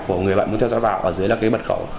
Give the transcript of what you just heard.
của người bạn muốn theo dõi vào ở dưới là cái bật khẩu